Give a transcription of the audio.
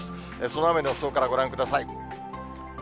その雨の予想からご覧ください。